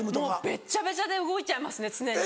べっちゃべちゃで動いちゃいますね常に。